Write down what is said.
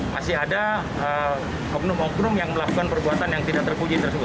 masih ada oknum oknum yang melakukan perbuatan yang tidak terpuji tersebut